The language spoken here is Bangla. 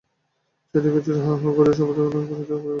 চারি দিক হইতে হাঁ-হাঁ করিয়া সভাসদগণ পুরোহিতের উপর গিয়া পড়িলেন।